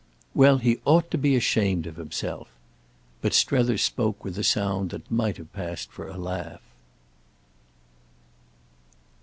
"Well, he ought to be ashamed of himself." But Strether spoke with a sound that might have passed for a laugh.